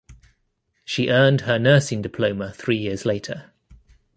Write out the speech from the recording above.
She earned her nursing diploma three years later.